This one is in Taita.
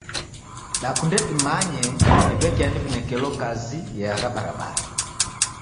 Dakunde dimanye ni w'eke ani w'inekelo kazi eagha barabara.